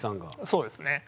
そうですね。